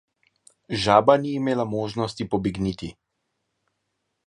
Žaba ni imela možnosti pobegniti.